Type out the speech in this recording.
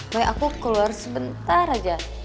pokoknya aku keluar sebentar aja